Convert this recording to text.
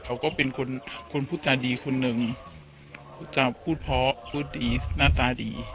เขาก็เป็นคนคนพูดจาดีคนหนึ่งพูดพอพูดดีหน้าตาดี